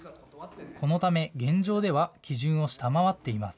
このため現状では基準を下回っています。